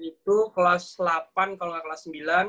itu kelas delapan kalo gak kelas sembilan